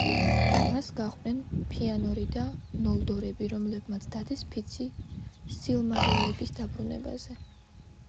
მას გაჰყვნენ ფეანორი და ნოლდორები, რომლებმაც დადეს ფიცი სილმარილების დაბრუნებაზე.